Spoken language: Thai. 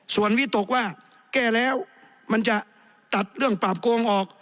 ส่วนวิตกว่าแก้แล้วมันจะตัดเรื่องปราบโกงออก